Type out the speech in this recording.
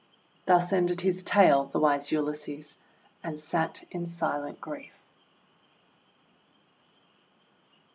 Thus ended his tale, the wise Ulysses, and sat in silent grief.